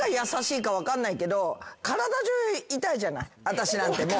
私なんてもう。